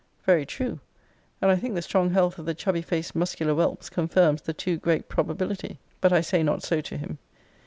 Very true! and I think the strong health of the chubby faced muscular whelps confirms the too great probability. But I say not so to him.